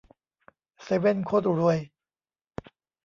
เซเว่นโคตรรวย